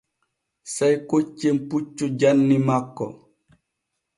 Sey koccen puccu janni makko.